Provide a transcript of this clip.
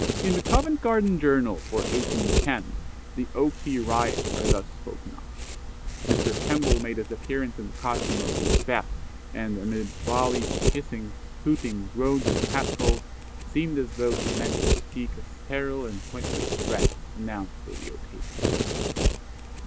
In the Covent Garden Journal for 1810 the O. P. Riots are thus spoken of: "Mr. Kemble made his appearance in the costume of 'Macbeth,' and, amid vollies of hissing, hooting, groans, and cat calls, seemed as though he meant to speak a steril and pointless address announced for the occasion."